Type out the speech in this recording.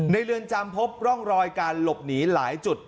เรือนจำพบร่องรอยการหลบหนีหลายจุด